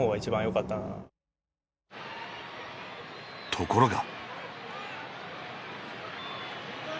ところが。